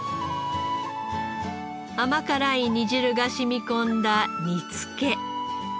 甘辛い煮汁が染み込んだ煮つけ。